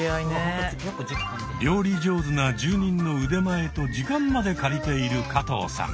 料理上手な住人の腕前と時間まで借りている加藤さん。